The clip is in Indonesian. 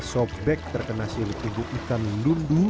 sobek terkena sirup ibu ikan lumbu